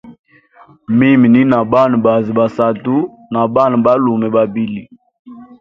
Mimi ni na Bana bazi ba satu na Bana balume babili.